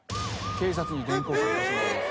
警察に連行されてしまいます。